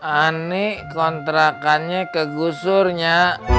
anik kontrakannya kegusur nya